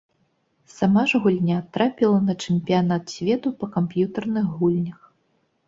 Сама ж гульня трапіла на чэмпіянат свету па камп'ютарных гульнях.